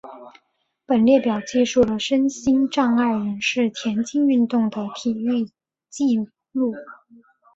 本列表记述了身心障碍人士田径运动的体育纪录。